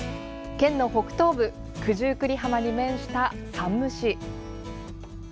県の北東部九十九里浜に面した山武市。